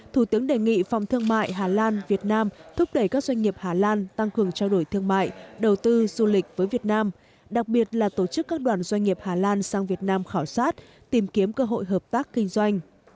thủ tướng đề nghị phòng thương mại hà lan việt nam thúc đẩy các doanh nghiệp hà lan tăng cường trao đổi thương mại đầu tư du lịch với việt nam đặc biệt là tổ chức các đoàn doanh nghiệp hà lan sang việt nam khảo sát tìm kiếm cơ hội hợp tác kinh doanh